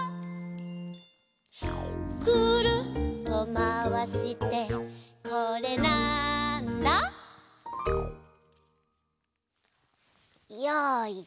「くるっとまわしてこれ、なんだ？」よいしょ。